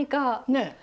ねえ。